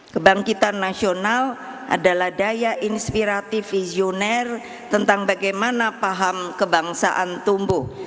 kebangkitan nasional adalah daya inspiratif visioner tentang bagaimana paham kebangsaan tumbuh